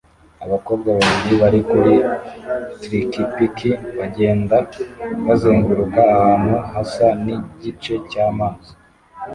Abakobwa babiri bari kuri trikipiki bagenda bazenguruka ahantu hasa nigice cya maze